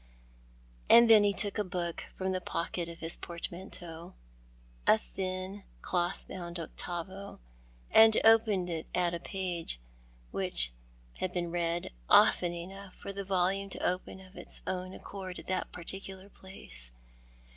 And then he took a book from the pocket of his portmanteau — a thin, cloth bound octavo— and opened it at a page which liad been read often enough for the volume to open of its own accord at that particular place.